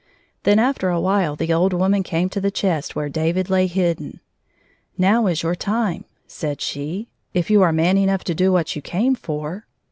Then after a while the old woman came to the chest where David lay hidden. "Now is your time," said she, " if you are man enough to do what you came for."